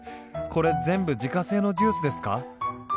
これ全部自家製のジュースですか？